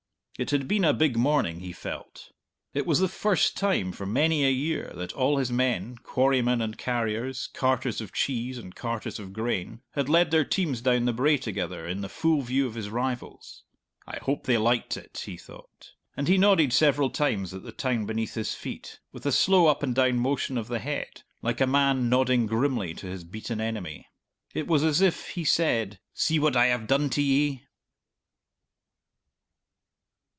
It had been a big morning, he felt. It was the first time for many a year that all his men, quarrymen and carriers, carters of cheese and carters of grain, had led their teams down the brae together in the full view of his rivals. "I hope they liked it!" he thought, and he nodded several times at the town beneath his feet, with a slow up and down motion of the head, like a man nodding grimly to his beaten enemy. It was as if he said, "See what I have done to ye!"